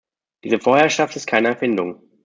Diese Vorherrschaft ist keine Erfindung.